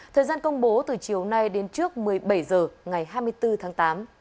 thời gian công bố từ chiều nay đến trước một mươi bảy h ngày hai mươi bốn tháng tám